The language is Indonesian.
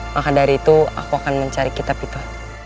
maka dari itu aku akan mencari kitab itu